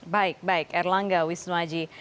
baik baik erlangga wisnuaji